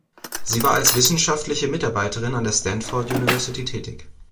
Sie war als wissenschaftliche Mitarbeiterin an der Stanford University tätig.